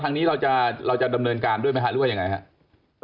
ตอนนี้เราจะดำเนินการด้วยมั้ยหรือยังไงครับ